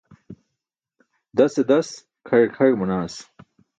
Dase das kʰaẏe kʰaẏ manaas.